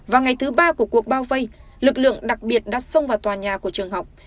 và ngày thứ ba của cuộc bao vây lực lượng đặc biệt đã xông vào tòa nhà của trường học